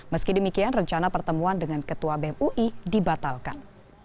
meski demikian rencana pertemuan dengan ketua bem ui dibatalkan